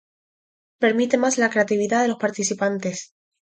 Permite más la creatividad de los participantes.